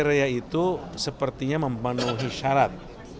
area itu sepertinya memenuhi syarat